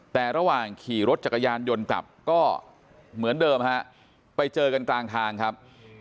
แต่ระหว่างขี่รถจักรยานยนต์กลับก็เหมือนเดิมฮะไปเจอกันกลางทางครับ